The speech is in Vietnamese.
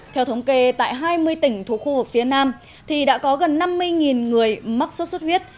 theo thống kê tại hai mươi tỉnh thuộc khu vực phía nam đã có gần năm mươi người mắc sốt xuất huyết